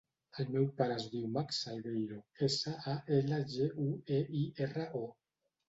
El meu pare es diu Max Salgueiro: essa, a, ela, ge, u, e, i, erra, o.